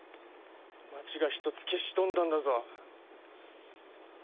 街が１つ消し飛んだんだぞ。